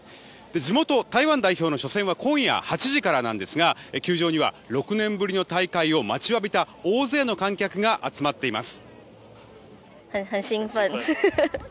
地元・台湾代表の初戦は今夜８時からなんですが球場には６年ぶりの大会を待ちわびた大勢の観客が集まっています。